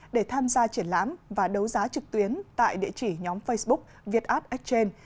để tham gia triển lãm và đấu giá trực tuyến tại địa chỉ nhóm facebook vietart exchange